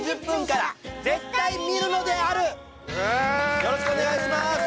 よろしくお願いします！